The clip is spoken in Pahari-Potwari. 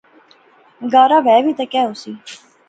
گارا وہے وی تے کہہ ہوسی